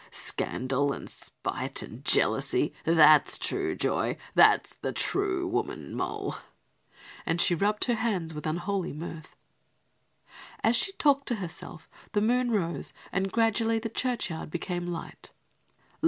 Scandal and spite and jealousy that's true joy, that's the true woman, Moll," and she rubbed her hands with unholy mirth. As she talked to herself the moon rose and gradually the churchyard became light.